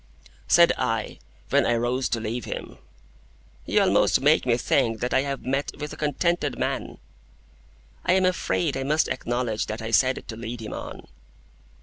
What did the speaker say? Said I, when I rose to leave him, "You almost make me think that I have met with a contented man." (I am afraid I must acknowledge that I said it to lead him on.)